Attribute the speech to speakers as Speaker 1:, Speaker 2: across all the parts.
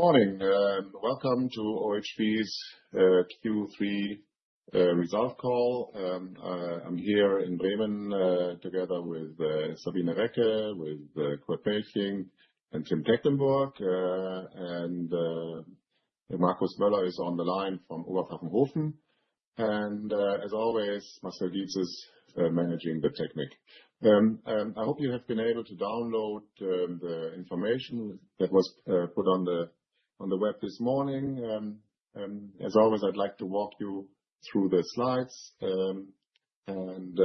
Speaker 1: Morning, welcome to OHB's Q3 result call. I'm here in Bremen, together with Sabine von der Recke, with Kurt Melching and Tim Tecklenburg, and Markus Moeller is on the line from Oberpfaffenhofen. As always, Marcel Dietz is managing the technique. I hope you have been able to download the information that was put on the web this morning. As always, I'd like to walk you through the slides and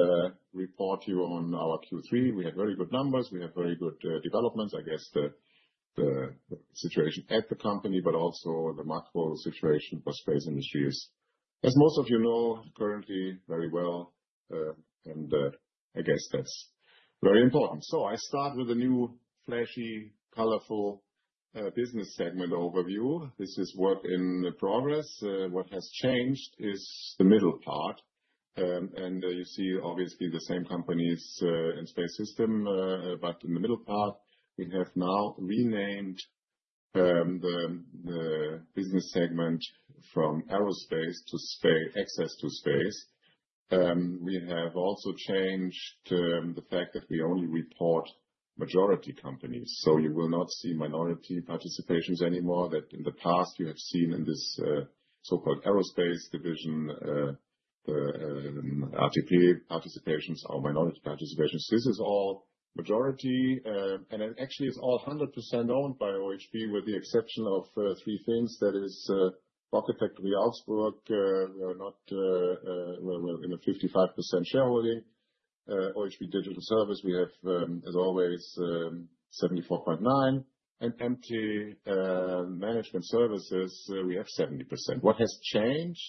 Speaker 1: report you on our Q3. We have very good numbers. We have very good developments, I guess, the situation at the company, but also the macro situation for space industries. As most of you know currently very well, and I guess that's very important. So I start with a new flashy, colorful, business segment overview. This is work in progress. What has changed is the middle part, and you see obviously the same companies in Space Systems, but in the middle part we have now renamed the business segment from Aerospace to Space Access to space. We have also changed the fact that we only report majority companies, so you will not see minority participations anymore that in the past you have seen in this so-called Aerospace division. The RFA participations are minority participations. This is all majority, and it actually is all 100% owned by OHB with the exception of 3 things. That is, Rocket Factory Augsburg. We are not; we're in a 55% shareholding. OHB Digital Services, we have, as always, 74.9%, and MT Management Services, we have 70%. What has changed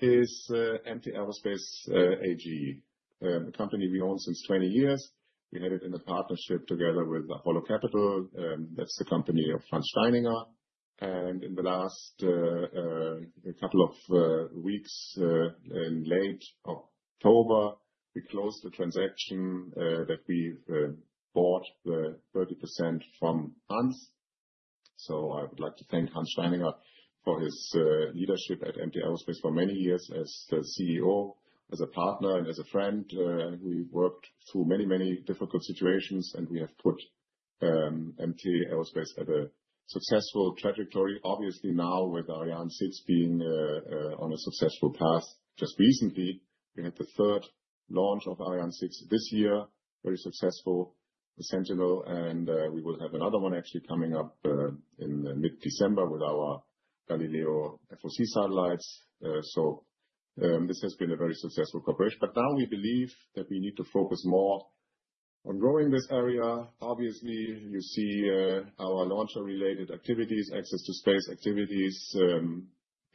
Speaker 1: is MT Aerospace AG, a company we own since 20 years. We had it in a partnership together with Apollo Capital. That's the company of Hans Steininger. And in the last, a couple of, weeks, in late October, we closed the transaction, that we, bought the 30% from Hans. So I would like to thank Hans Steininger for his, leadership at MT Aerospace for many years as the CEO, as a partner, and as a friend. We worked through many, many difficult situations, and we have put, MT Aerospace at a successful trajectory. Obviously now with Ariane 6 being, on a successful path just recently. We had the 3rd launch of Ariane 6 this year, very successful, the Sentinel, and, we will have another one actually coming up, in mid-December with our Galileo FOC satellites. So, this has been a very successful corporation, but now we believe that we need to focus more on growing this area. Obviously, you see, our launcher-related activities, access to space activities.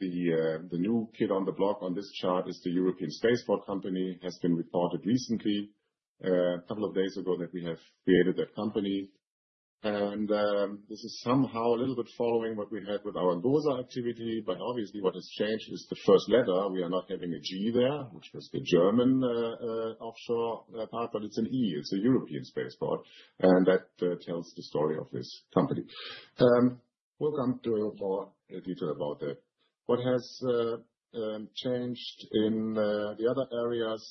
Speaker 1: The new kid on the block on this chart is the European Spaceport Company. It has been reported recently, a couple of days ago, that we have created that company. And this is somehow a little bit following what we had with our GOSA activity, but obviously what has changed is the 1st letter. We are not having a G there, which was the German offshore part, but it's an E. It's a European Spaceport, and that tells the story of this company. Welcome to more detail about that. What has changed in the other areas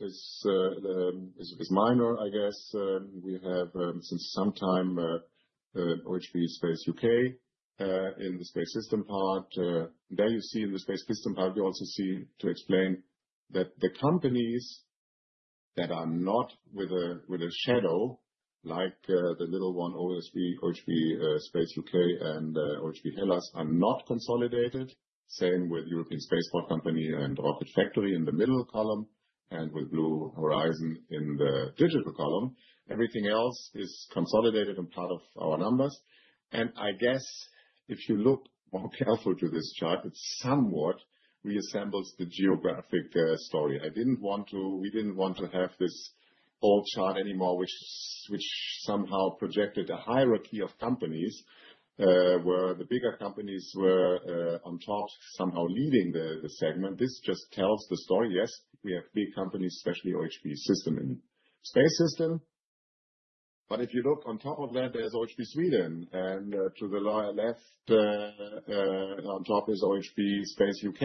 Speaker 1: is minor, I guess. We have, since some time, OHB Space UK in the Space Systems part. There you see in the Space Systems part we also see to explain that the companies that are not with a shadow, like, the little one, OHB Space UK and, OHB Hellas are not consolidated. Same with European Spaceport Company and Rocket Factory in the middle column and with Blue Horizon in the Digital column. Everything else is consolidated and part of our numbers. And I guess if you look more careful to this chart, it somewhat resembles the geographic story. We didn't want to have this old chart anymore, which somehow projected a hierarchy of companies, where the bigger companies were on top somehow leading the segment. This just tells the story. Yes, we have big companies, especially OHB System in Space Systems. But if you look on top of that, there's OHB Sweden and, to the lower left, on top is OHB Space UK,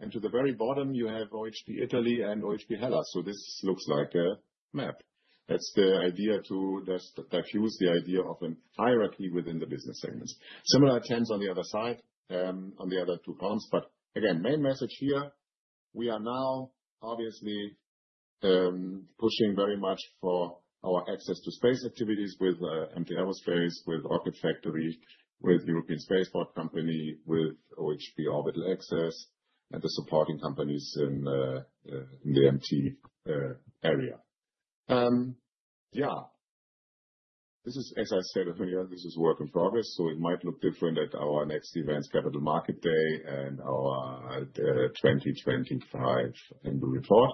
Speaker 1: and to the very bottom you have OHB Italy and OHB Hellas. So this looks like a map. That's the idea to diffuse the idea of a hierarchy within the business segments. Similar attempts on the other side, on the other two columns, but again, main message here. We are now obviously pushing very much for our access to space activities with MT Aerospace, with Rocket Factory, with European Spaceport Company, with OHB Orbital Access, and the supporting companies in the MT area. Yeah. This is, as I said, this is work in progress, so it might look different at our next events, Capital Market Day, and our 2025 and the report.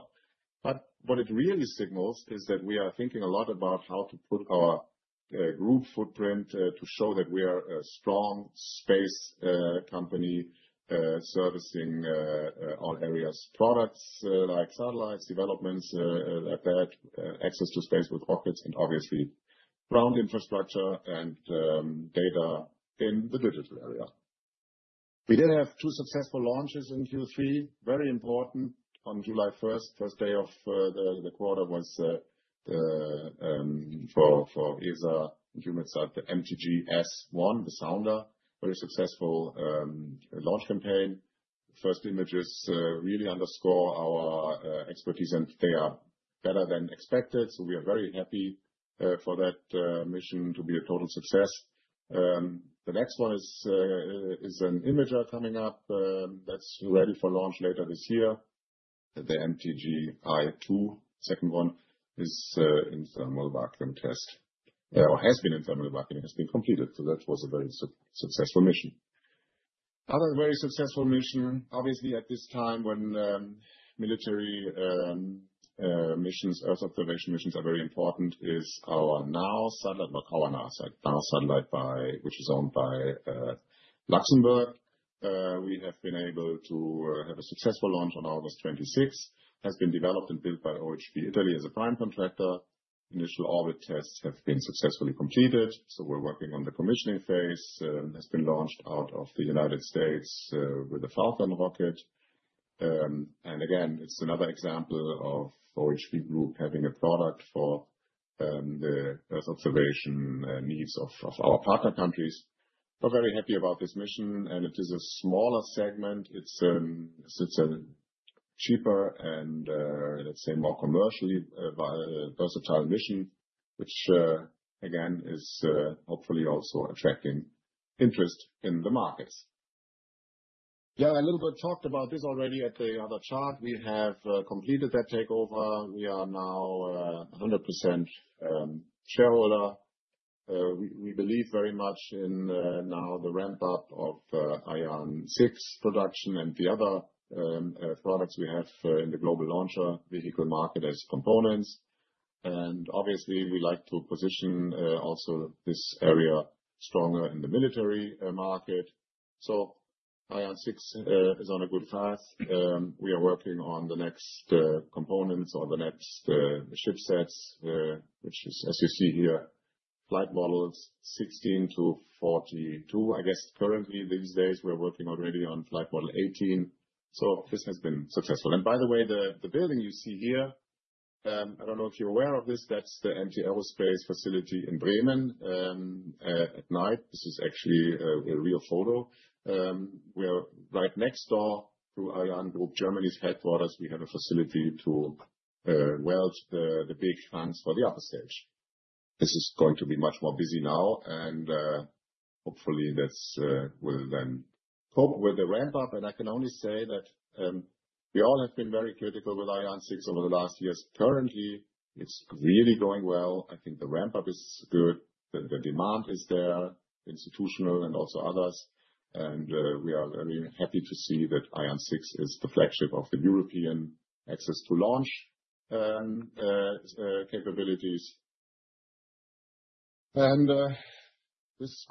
Speaker 1: But what it really signals is that we are thinking a lot about how to put our group footprint to show that we are a strong space company servicing all areas products like satellites developments like that access to space with rockets and obviously ground infrastructure and data in the Digital area. We did have 2 successful launches in Q3, very important on July 1st, 1st day of the quarter was the for ESA and EUMETSAT at the MTG-S1, the sounder, very successful launch campaign. 1st images really underscore our expertise and they are better than expected, so we are very happy for that mission to be a total success. The next 1 is an imager coming up, that's ready for launch later this year. The MTG-I2, second one, is in thermal vacuum test or has been completed, so that was a very successful mission. Other very successful mission, obviously at this time when military missions, Earth observation missions are very important, is our LuxEOSys satellite, not our LUXEOSys satellite but which is owned by Luxembourg. We have been able to have a successful launch on August 26th, has been developed and built by OHB Italy as a prime contractor. Initial orbit tests have been successfully completed, so we're working on the commissioning phase. Has been launched out of the United States, with a Falcon rocket. And again, it's another example of OHB group having a product for the Earth observation needs of our partner countries. We're very happy about this mission and it is a smaller segment. It's a cheaper and, let's say more commercially versatile mission, which again is hopefully also attracting interest in the markets. Yeah, a little bit talked about this already at the other chart. We have completed that takeover. We are now 100% shareholder. We believe very much in now the ramp up of Ariane 6 production and the other products we have in the global launcher vehicle market as components. And obviously we like to position also this area stronger in the military market. So Ariane 6 is on a good path. We are working on the next components or the next ship sets, which is as you see here. Flight models 16-42, I guess currently these days we're working already on flight model 18. So this has been successful. And by the way, the building you see here. I don't know if you're aware of this. That's the MT Aerospace facility in Bremen at night. This is actually a real photo. We are right next door to ArianeGroup Germany's headquarters. We have a facility to weld the big tanks for the upper stage. This is going to be much more busy now and hopefully that will then cope with the ramp up and I can only say that we all have been very critical with Ariane 6 over the last years. Currently it's really going well. I think the ramp up is good. The demand is there institutional and also others and we are very happy to see that Ariane 6 is the flagship of the European access to launch capabilities. And this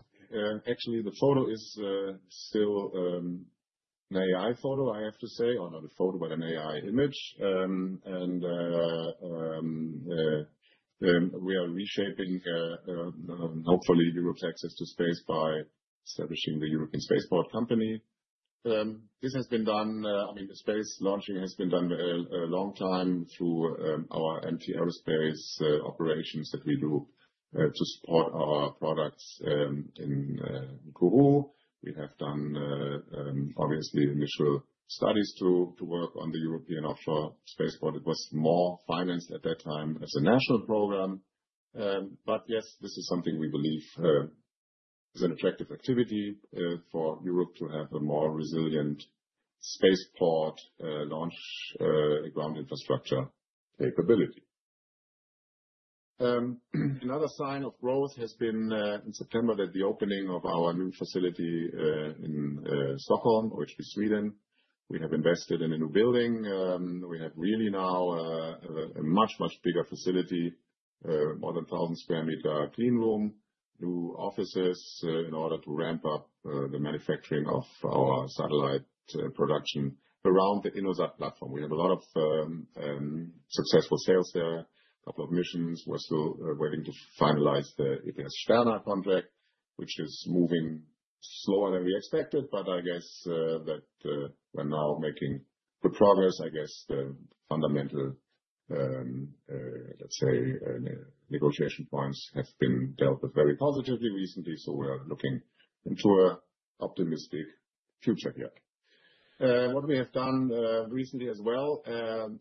Speaker 1: actually the photo is still an AI photo I have to say or not a photo, but an AI image. We are reshaping, hopefully Europe's access to space by establishing the European Spaceport Company. This has been done, I mean the space launching has been done a long time through our MT Aerospace operations that we do to support our products in Kourou. We have done obviously initial studies to work on the European offshore spaceport. It was more financed at that time as a national program. Yes, this is something we believe is an attractive activity for Europe to have a more resilient spaceport launch ground infrastructure capability. Another sign of growth has been in September the opening of our new facility in Stockholm, OHB Sweden. We have invested in a new building. We have really now a much, much bigger facility, more than 1,000 square meter clean room, new offices, in order to ramp up the manufacturing of our satellite production around the InnoSat platform. We have a lot of successful sales there. A couple of missions were still waiting to finalize the ESA tender contract, which is moving slower than we expected, but I guess that we're now making good progress. I guess the fundamental, let's say, negotiation points have been dealt with very positively recently, so we are looking into an optimistic future here. What we have done recently as well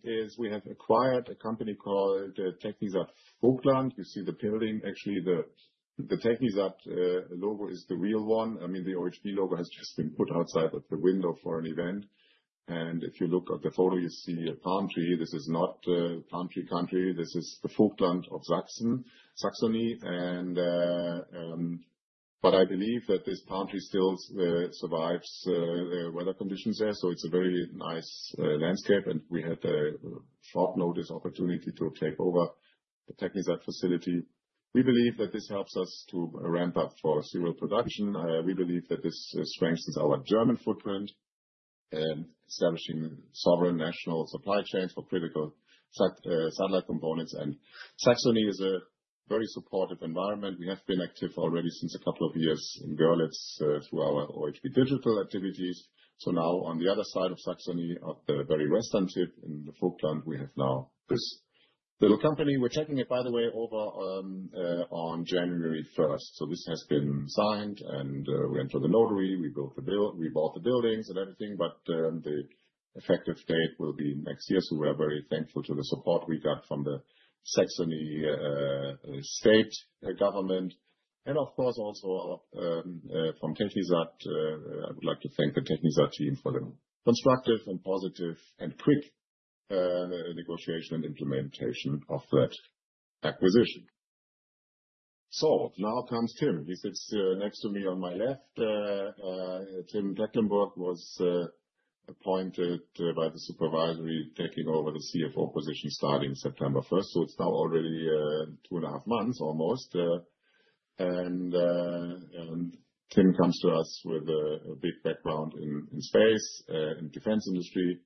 Speaker 1: is we have acquired a company called the TechniSat Vogtland. You see the building; actually the TechniSat logo is the real one. I mean the OHB logo has just been put outside of the window for an event. If you look at the photo, you see a palm tree. This is not palm tree country. This is the Vogtland of Saxony, but I believe that this palm tree still survives the weather conditions there, so it's a very nice landscape and we had a short notice opportunity to take over the TechniSat facility. We believe that this helps us to ramp up for serial production. We believe that this strengthens our German footprint. Establishing sovereign national supply chains for critical satellite components, and Saxony is a very supportive environment. We have been active already since a couple of years in Görlitz through our OHB Digital activities. So now on the other side of Saxony, of the very Western tip in the Vogtland, we have now this little company. We're checking it, by the way, over on January 1st, so this has been signed and we enter the notary. We built the build, we bought the buildings and everything, but the effective date will be next year, so we are very thankful to the support we got from the Saxony state government. And of course also from TechniSat, I would like to thank the TechniSat team for the constructive and positive and quick negotiation and implementation of that acquisition. So now comes Tim. He sits next to me on my left. Tim Tecklenburg was appointed by the supervisory taking over the CFO position starting September 1st, so it's now already 2.5 months almost. And Tim comes to us with a big background in space, in defense industry.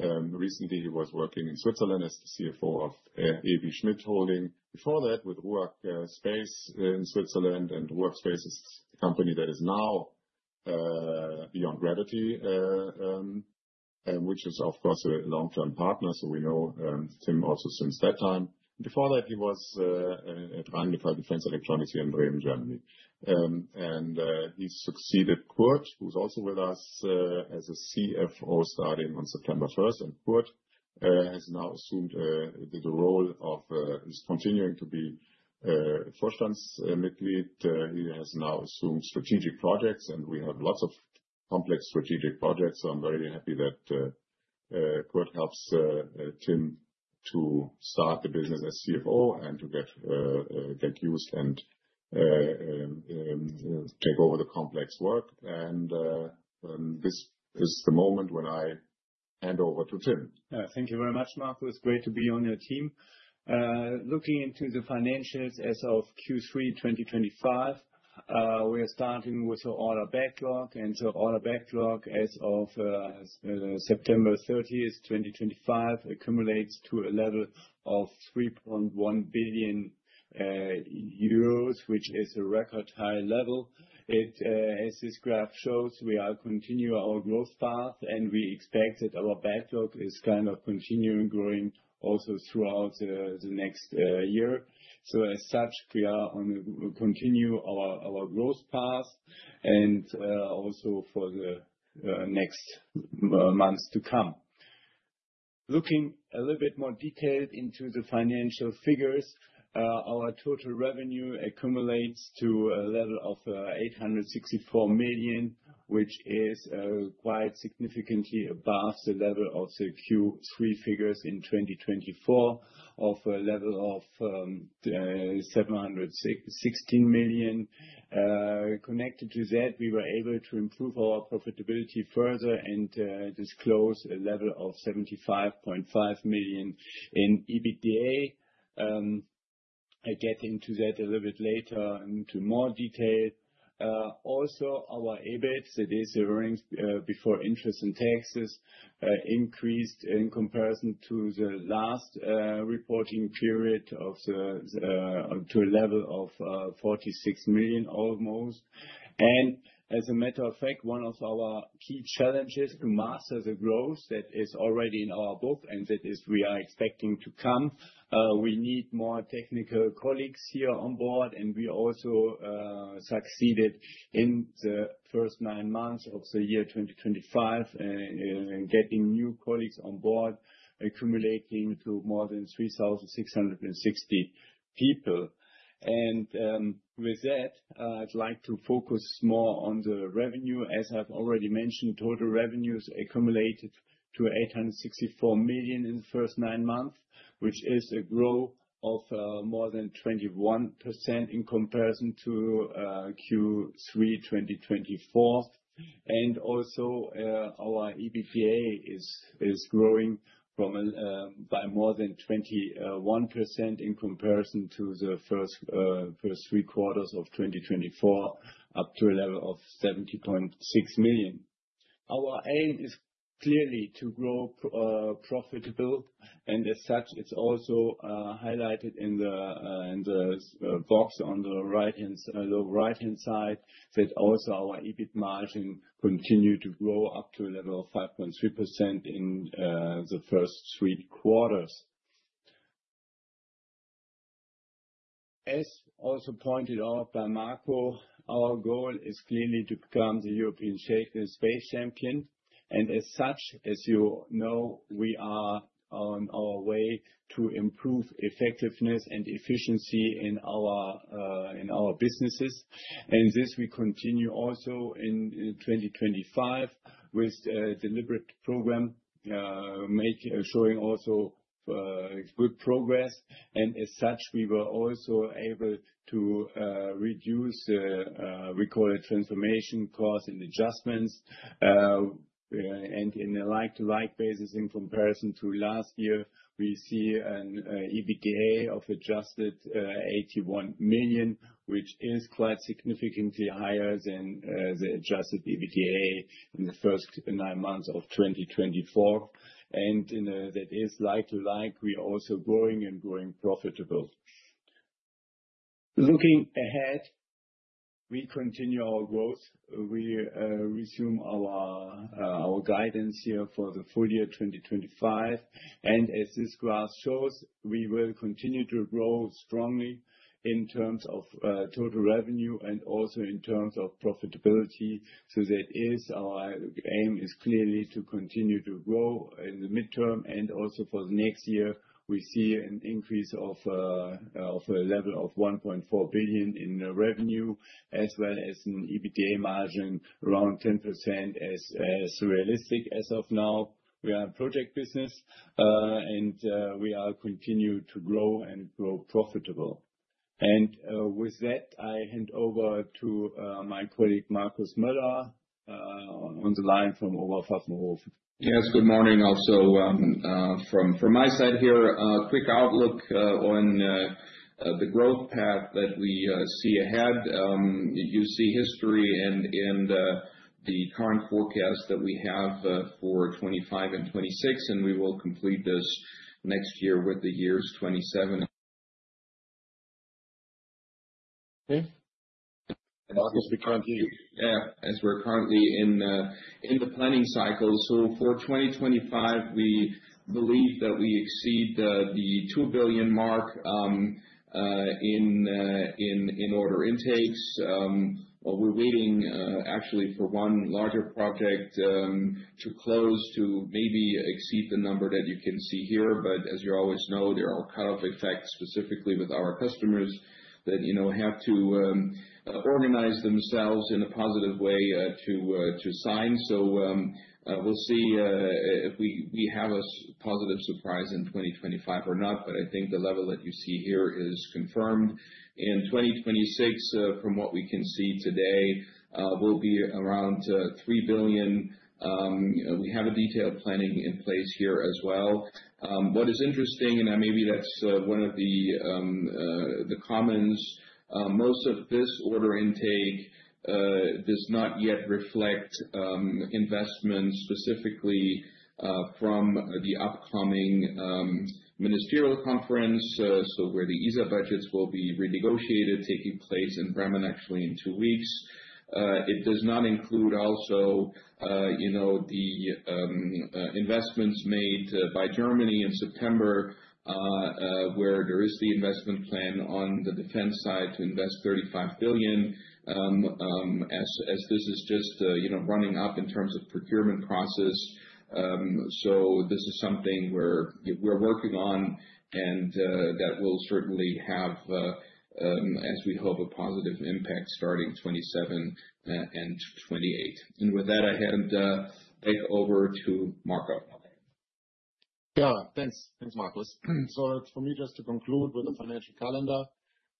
Speaker 1: Recently he was working in Switzerland as the CFO of Aebi Schmidt Holding. Before that with RUAG Space in Switzerland. RUAG Space is a company that is now Beyond Gravity, and which is of course a long-term partner, so we know Tim also since that time. Before that he was at Rheinmetall Defence Electronics here in Bremen, Germany. He succeeded Kurt, who's also with us, as a CFO starting on September 1st, and Kurt has now assumed the role of continuing to be for the strategic lead. He has now assumed strategic projects, and we have lots of complex strategic projects, so I'm very happy that Kurt helps Tim to start the business as CFO and to get used and take over the complex work. This is the moment when I hand over to Tim.
Speaker 2: Yeah, thank you very much, Markus. Great to be on your team. Looking into the financials as of Q3 2025, we are starting with your order backlog and so order backlog as of September 30th, 2025 accumulates to a level of 3.1 billion euros, which is a record high level. It, as this graph shows, we are continue our growth path and we expect that our backlog is kind of continuing growing also throughout the next year. So as such, we are on a continue our our growth path and also for the next months to come. Looking a little bit more detailed into the financial figures, our total revenue accumulates to a level of 864 million, which is quite significantly above the level of the Q3 figures in 2024 of a level of 716 million. Connected to that, we were able to improve our profitability further and disclose a level of 75.5 million in EBITDA. I get into that a little bit later into more detail. Also our EBIT, that is the earnings before interest and taxes, increased in comparison to the last reporting period of the to a level of 46 million almost. And as a matter of fact, one of our key challenges to master the growth that is already in our book and that is we are expecting to come. We need more technical colleagues here on board and we also succeeded in the first nine months of the year 2025 getting new colleagues on board accumulating to more than 3,660 people. And with that, I'd like to focus more on the revenue. As I've already mentioned, total revenues accumulated to 864 million in the first nine months, which is a growth of more than 21% in comparison to Q3 2024. And also, our EBITDA is growing by more than 21% in comparison to the first three quarters of 2024 up to a level of 70.6 million. Our aim is clearly to grow profitable and as such, it's also highlighted in the box on the lower right hand side that also our EBIT margin continue to grow up to a level of 5.3% in the first three quarters. As also pointed out by Marco, our goal is clearly to become the European Space Champion. And as such, as you know, we are on our way to improve effectiveness and efficiency in our businesses. And this we continue also in 2025 with a deliberate program making showing also good progress and as such, we were also able to reduce the what we call transformation cost and adjustments. On a like-to-like basis in comparison to last year, we see an adjusted EBITDA of 81 million, which is quite significantly higher than the adjusted EBITDA in the first 9 months of 2024. On that like-to-like basis, we are also growing and growing profitable. Looking ahead, we continue our growth. We resume our guidance here for the full year 2025. As this graph shows, we will continue to grow strongly in terms of total revenue and also in terms of profitability. That is our aim: clearly to continue to grow in the mid-term and also for the next year, we see an increase of a level of 1.4 billion in revenue as well as an EBITDA margin around 10% as realistic as of now. We are a project business, and we continue to grow and grow profitable. With that, I hand over to my colleague Markus Moeller on the line from Oberpfaffenhofen.
Speaker 3: Yes, good morning also from my side here, quick outlook on the growth path that we see ahead. You see history and in the current forecast that we have for 2025 and 2026 and we will complete this next year with the year 2027. Okay. Markus, we currently. Yeah, as we're currently in the planning cycle, so for 2025, we believe that we exceed the 2 billion mark in order intakes. Well, we're waiting, actually, for one larger project to close to maybe exceed the number that you can see here, but as you always know, there are cut-off effects specifically with our customers that, you know, have to organize themselves in a positive way to sign. So, we'll see if we have a positive surprise in 2025 or not, but I think the level that you see here is confirmed. In 2026, from what we can see today, will be around 3 billion. We have a detailed planning in place here as well. What is interesting, and I maybe that's one of the, the commons, most of this order intake does not yet reflect investment specifically from the upcoming Ministerial Conference, so where the ESA budgets will be renegotiated taking place in Bremen, actually in two weeks. It does not include also, you know, the investments made by Germany in September, where there is the investment plan on the defense side to invest 35 billion, as this is just, you know, running up in terms of procurement process. So this is something where we're working on and that will certainly have, as we hope, a positive impact starting 2027 and 2028. And with that, I hand over to Marco.
Speaker 4: Yeah, thanks. Thanks, Markus. So for me just to conclude with the financial calendar,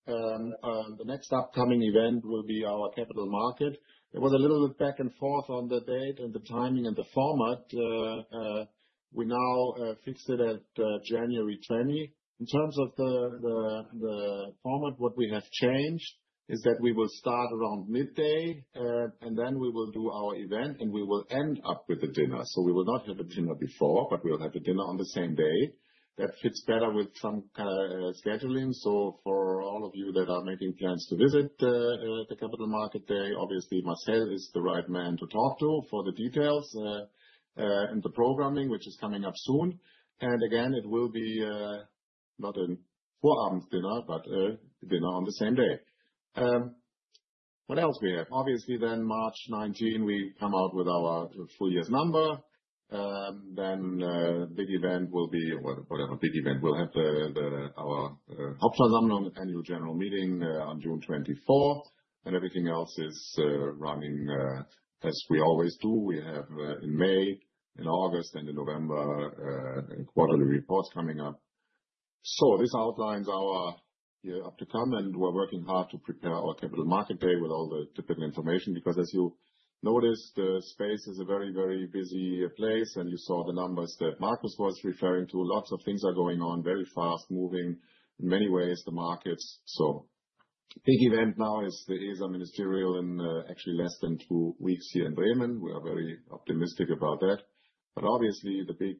Speaker 4: the next upcoming event will be our Capital Market. It was a little bit back and forth on the date and the timing and the format. We now fixed it at January 20 in terms of the format. What we have changed is that we will start around midday, and then we will do our event and we will end up with a dinner. So we will not have a dinner before, but we'll have a dinner on the same day. That fits better with some kind of scheduling. So for all of you that are making plans to visit the Capital Market Day, obviously Marcel is the right man to talk to for the details, and the programming, which is coming up soon. And again, it will be not an informal dinner, but dinner on the same day. What else we have?
Speaker 1: Obviously, then March 19, we come out with our full year's number. Then, the big event will be the OHB's annual general meeting on June 24. And everything else is running as we always do. We have, in May, in August, and in November, quarterly reports coming up. So this outlines our year up to come and we're working hard to prepare our Capital Market Day with all the different information because as you notice, the space is a very, very busy place and you saw the numbers that Markus was referring to. Lots of things are going on very fast moving in many ways, the markets, so. Big event now is the ESA Ministerial in actually less than 2 weeks here in Bremen. We are very optimistic about that. But obviously, the big,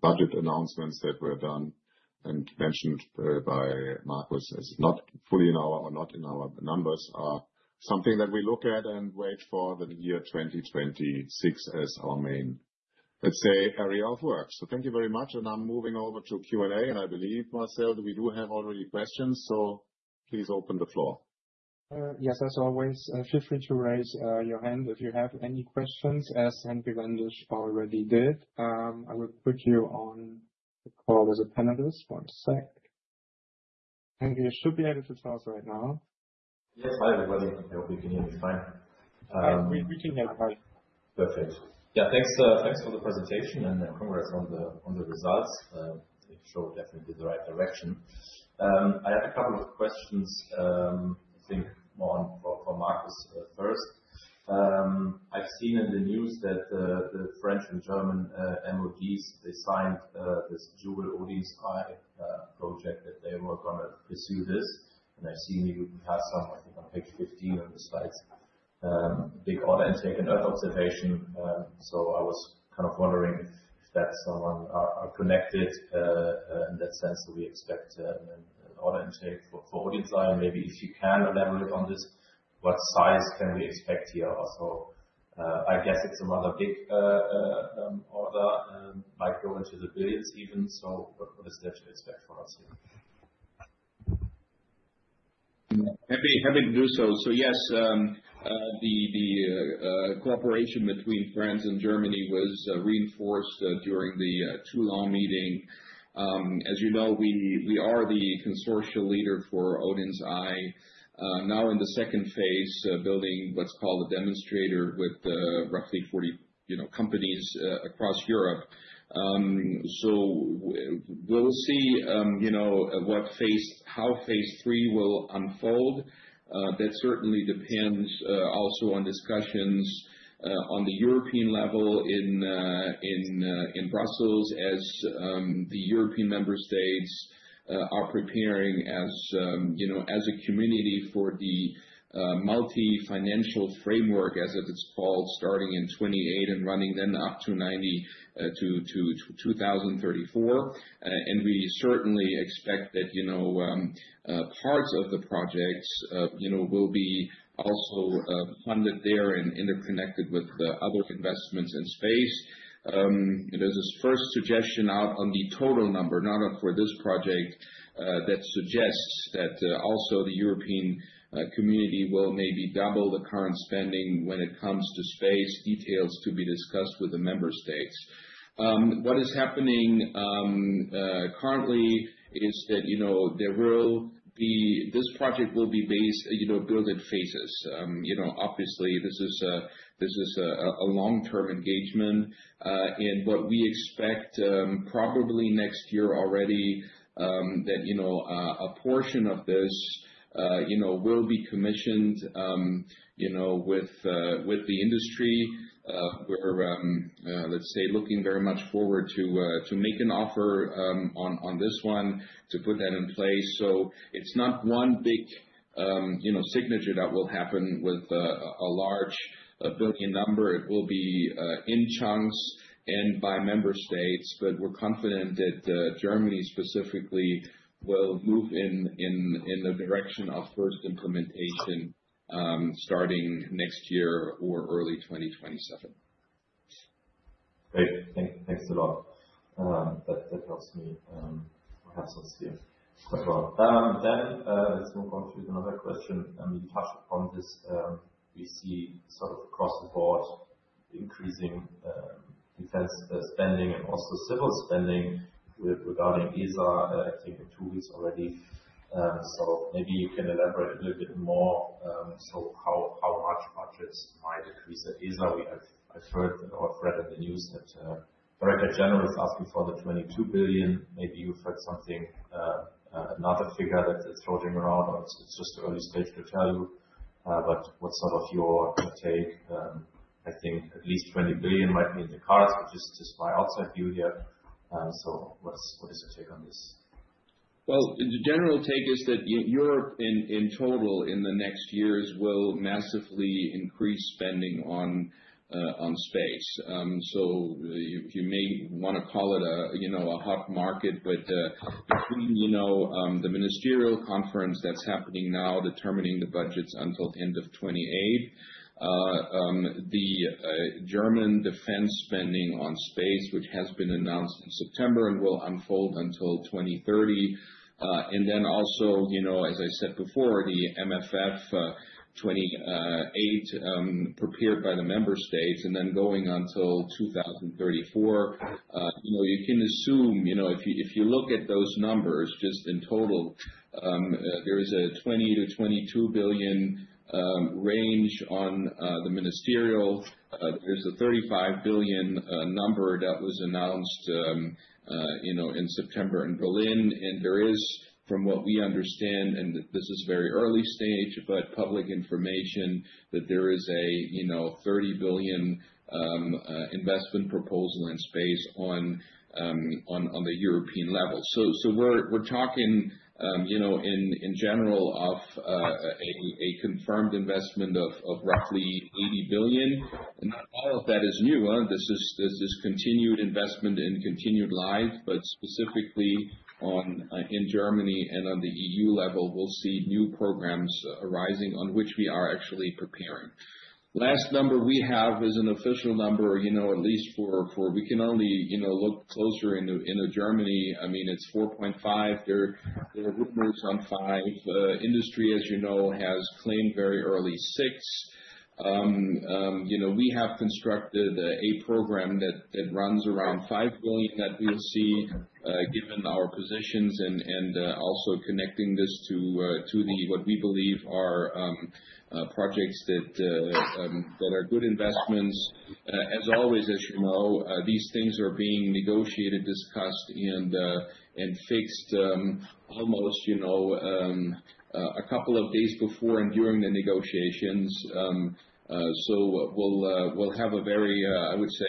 Speaker 1: budget announcements that were done and mentioned, by Markus as not fully in our or not in our numbers are something that we look at and wait for the year 2026 as our main, let's say, area of work. So thank you very much. And I'm moving over to Q&A and I believe, Marcel, that we do have already questions, so please open the floor.
Speaker 5: Yes, as always, feel free to raise your hand if you have any questions as Henry Wendisch already did. I will put you on the call as a panelist. 1 sec. And you should be able to tell us right now.
Speaker 6: Yes, hi everybody. I hope you can hear me fine.
Speaker 5: We can hear you fine.
Speaker 6: Perfect. Yeah, thanks. Thanks for the presentation and congrats on the results. It showed definitely the right direction. I have a couple of questions. I think more on for Markus 1st. I've seen in the news that the French and German MODs, they signed this ODIN's EYE project that they were gonna pursue this. And I've seen you have some, I think, on page 15 on the slides. Big order intake and Earth observation. So I was kind of wondering if that's somehow connected in that sense. So we expect an order intake for ODIN's EYE. Maybe if you can elaborate on this, what size can we expect here also? I guess it's another big order might go into the billions even. So what is there to expect for us here?
Speaker 3: Happy to do so. So yes, the cooperation between France and Germany was reinforced during the 2+2 meeting. As you know, we are the consortia leader for ODIN's EYE now in Phase 2, building what's called a demonstrator with roughly 40, you know, companies across Europe. So we'll see, you know, what phase, how Phase 3 will unfold. That certainly depends also on discussions on the European level in Brussels as the European member states are preparing as, you know, as a community for the Multiannual Financial Framework, as it is called, starting in 2028 and running then up to 2034. We certainly expect that, you know, parts of the projects, you know, will be also funded there and interconnected with other investments in space. There's this first suggestion out on the total number, not for this project, that suggests that also the European community will maybe double the current spending when it comes to space. Details to be discussed with the member states. What is happening currently is that, you know, there will be this project will be based, you know, built in phases. You know, obviously, this is a long-term engagement. What we expect probably next year already that, you know, a portion of this, you know, will be commissioned, you know, with the industry. We're, let's say, looking very much forward to make an offer on this one to put that in place. It's not one big, you know, signature that will happen with a large billion number. It will be in chunks and by member states, but we're confident that Germany specifically will move in the direction of first implementation starting next year or early 2027.
Speaker 6: Great. Thanks a lot. That helps me. I have some spare as well. Let's move on to another question. You touched upon this. We see sort of across the board increasing defense spending and also civil spending regarding ESA, I think, in two weeks already. Maybe you can elaborate a little bit more. So, how much budgets might increase at ESA? I've heard or read in the news that director general is asking for the 22 billion. Maybe you've heard something, another figure that's floating around. It's just early stage to tell you. But what's sort of your take? I think at least 20 billion might be in the cards, which is just my outside view here. So what is your take on this?
Speaker 3: Well, the general take is that Europe in total in the next years will massively increase spending on space. So you may want to call it a, you know, a hot market, but between, you know, the Ministerial Conference that's happening now determining the budgets until the end of 2028, the German defense spending on space, which has been announced in September and will unfold until 2030. And then also, you know, as I said before, the MFF 28 prepared by the member states and then going until 2034. You know, you can assume, you know, if you look at those numbers just in total, there is a 20-22 billion range on the ministerial. There's a 35 billion number that was announced, you know, in September in Berlin. And there is, from what we understand, and this is very early stage, but public information that there is a, you know, 30 billion investment proposal in space on the European level. So we're talking, you know, in general of a confirmed investment of roughly 80 billion. And not all of that is new. This is continued investment and continued lives, but specifically in Germany and on the EU level, we'll see new programs arising on which we are actually preparing. Last number we have is an official number, you know, at least for we can only, you know, look closer in Germany. I mean, it's 4.5. There are rumors on 5. Industry, as you know, has claimed very early 6. You know, we have constructed a program that runs around 5 billion that we'll see given our positions and also connecting this to the what we believe are projects that are good investments. As always, as you know, these things are being negotiated, discussed, and fixed almost, you know, a couple of days before and during the negotiations. So we'll have a very, I would say,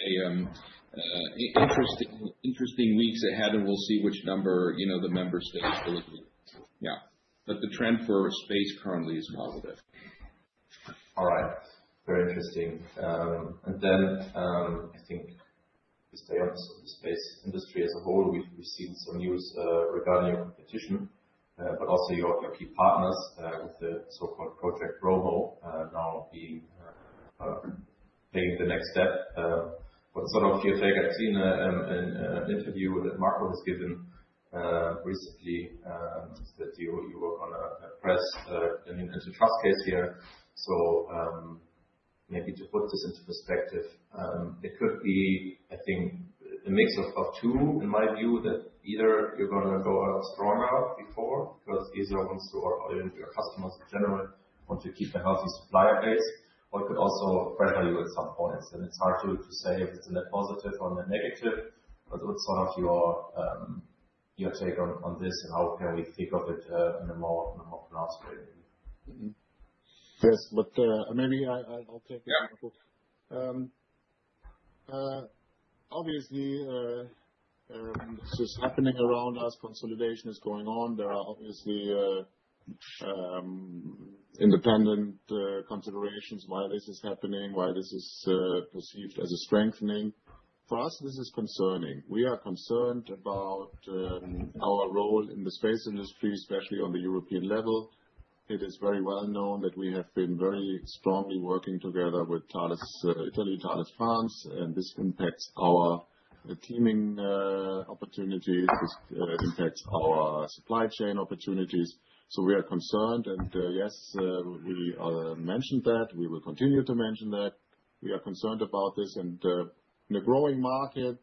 Speaker 3: interesting weeks ahead and we'll see which number, you know, the member states believe. Yeah. But the trend for space currently is positive. All right. Very interesting. I think to stay on the space industry as a whole, we've seen some news regarding your competition, but also your key partners with the so-called Project Romeo now being taking the next step. What sort of take I've seen in an interview that Marco has given recently is that you work on an antitrust case here. Maybe to put this into perspective, it could be, I think, a mix of two in my view that either you're gonna go out stronger before because ESA wants to, or your customers in general want to keep a healthy supplier base, or it could also pressure you at some points. It's hard to say if it's a net positive or a net negative. What's sort of your take on this and how can we think of it in a more pronounced way maybe?
Speaker 2: Yes, but maybe I'll take it, Marco. Obviously, this is happening around us. Consolidation is going on. There are obviously independent considerations why this is happening, why this is perceived as a strengthening. For us, this is concerning. We are concerned about our role in the space industry, especially on the European level. It is very well known that we have been very strongly working together with Italy, Italy France, and this impacts our teaming opportunities. This impacts our supply chain opportunities. So we are concerned. And yes, we mentioned that. We will continue to mention that. We are concerned about this. And in a growing market,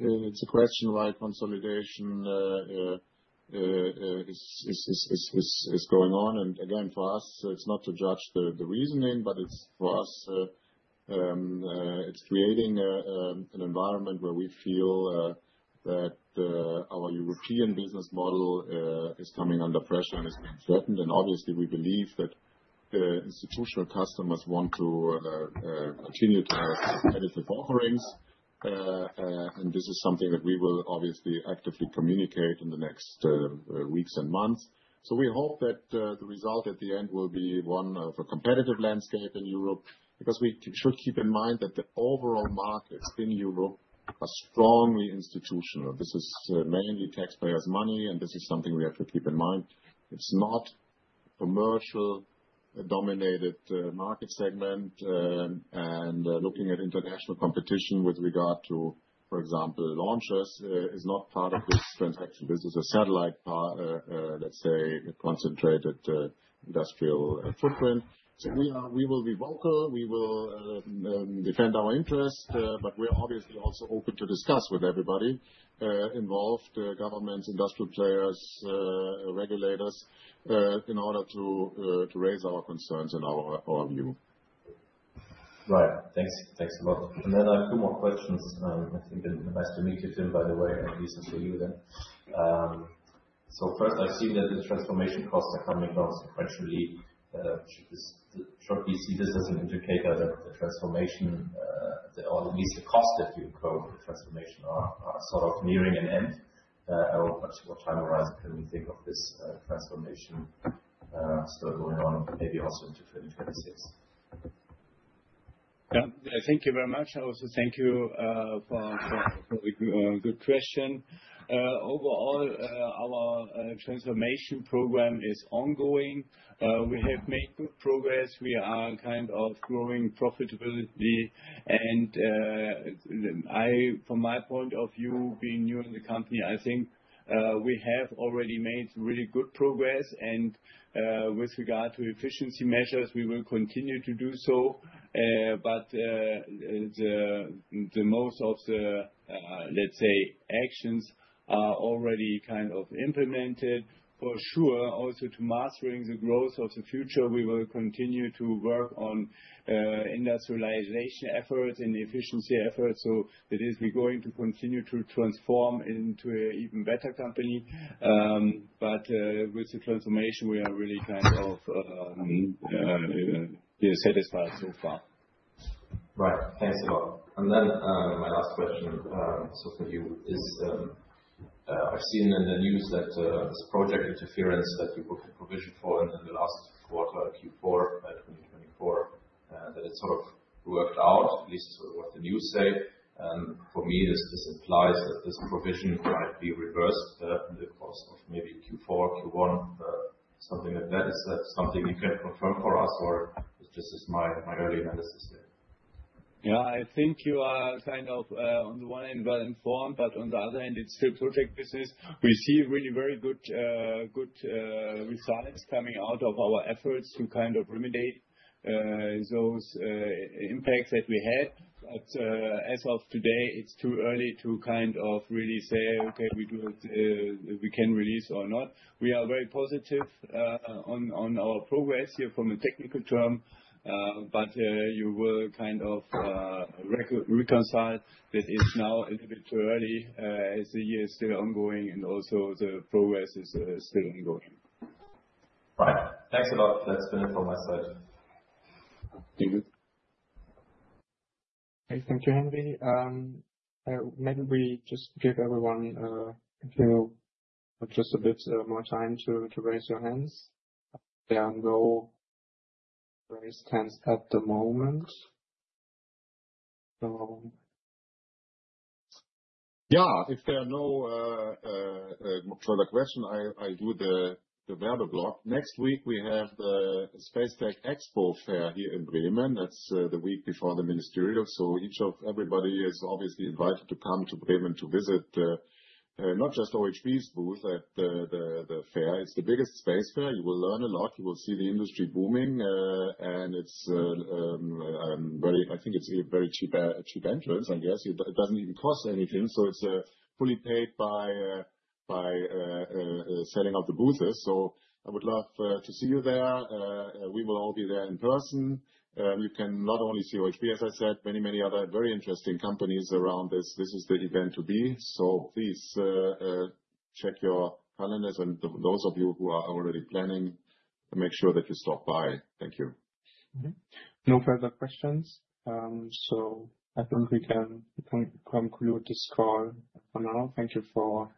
Speaker 2: it's a question why consolidation is going on. And again, for us, it's not to judge the reasoning, but for us, it's creating an environment where we feel that our European business model is coming under pressure and is being threatened. Obviously, we believe that institutional customers want to continue to have benefit offerings. This is something that we will obviously actively communicate in the next weeks and months. We hope that the result at the end will be one of a competitive landscape in Europe because we should keep in mind that the overall markets in Europe are strongly institutional. This is mainly taxpayers' money, and this is something we have to keep in mind. It's not a commercial-dominated market segment. Looking at international competition with regard to, for example, launchers is not part of this transaction. This is a satellite, let's say, concentrated industrial footprint. We will be vocal. We will defend our interests, but we are obviously also open to discuss with everybody involved, governments, industrial players, regulators in order to raise our concerns and our view.
Speaker 6: Right. Thanks a lot. And then I have 2 more questions. I think it'd be nice to meet you, Tim, by the way, and this is for you then. So 1st, I've seen that the transformation costs are coming down sequentially. Should we see this as an indicator that the transformation, or at least the costs that you incur with the transformation, are sort of nearing an end? At what time horizon can we think of this transformation still going on, maybe also into 2026?
Speaker 2: Yeah. Thank you very much. I also thank you for the good question. Overall, our transformation program is ongoing. We have made good progress. We are kind of growing profitability. And from my point of view, being new in the company, I think we have already made really good progress. And with regard to efficiency measures, we will continue to do so.
Speaker 1: But the most of the, let's say, actions are already kind of implemented. For sure, also to mastering the growth of the future, we will continue to work on industrialization efforts and efficiency efforts. So that is, we're going to continue to transform into an even better company. But with the transformation, we are really kind of satisfied so far.
Speaker 6: Right. Thanks a lot. And then my last question also for you is, I've seen in the news that this project interference that you put in provision for in the last quarter, Q4 2024, that it sort of worked out, at least is what the news say. For me, this implies that this provision might be reversed in the course of maybe Q4, Q1, something like that. Is that something you can confirm for us, or it's just my early analysis here? Yeah.
Speaker 2: I think you are kind of, on the one hand, well-informed, but on the other hand, it's still project business. We see really very good results coming out of our efforts to kind of remedy those impacts that we had. But as of today, it's too early to kind of really say, "Okay, we can release or not." We are very positive on our progress here from a technical term. But you will kind of reconcile that it's now a little bit too early as the year is still ongoing and also the progress is still ongoing.
Speaker 6: Right. Thanks a lot. That's been it from my side.
Speaker 2: Thank you.
Speaker 5: Okay. Thank you, Henry. Maybe we just give everyone a few, just a bit more time to raise your hands. There are no raised hands at the moment.
Speaker 1: Yeah. If there are no further questions, I'll do the verbal block. Next week, we have the Space Tech Expo fair here in Bremen. That's the week before the ministerial. So each of everybody is obviously invited to come to Bremen to visit not just OHB's booth at the fair. It's the biggest space fair. You will learn a lot. You will see the industry booming. And I think it's a very cheap entrance, I guess. It doesn't even cost anything. So it's fully paid by selling out the booths. So I would love to see you there. We will all be there in person. You can not only see OHB, as I said, many, many other very interesting companies around this. This is the event to be. So please check your calendars. And those of you who are already planning, make sure that you stop by. Thank you.
Speaker 5: No further questions. So I think we can conclude this call for now. Thank you for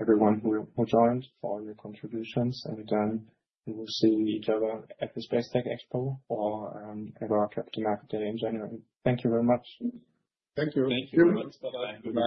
Speaker 5: everyone who joined for all your contributions. And then we will see each other at the Space Tech Expo or at our Capital Market Day in January.
Speaker 2: Thank you very much. Thank you.
Speaker 1: Thank you very much. Bye-bye.